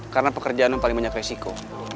karena pekerjaan lo paling banyak risiko